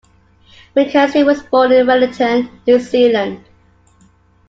McKenzie was born in Wellington, New Zealand.